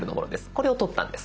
これを撮ったんです。